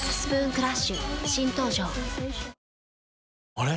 あれ？